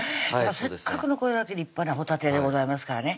せっかくのこれだけ立派なほたてでございますからね